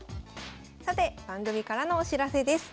さて番組からのお知らせです。